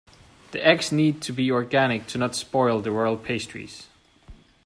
The eggs need to be organic to not spoil the royal pastries.